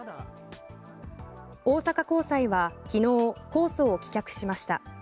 大阪高裁は昨日控訴を棄却しました。